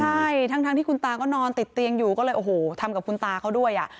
ใช่ทั้งที่คุณตาก็นอนติดเตียงอยู่ก็เลยโอ้โหทำกับคุณตาเขาด้วยอ่ะ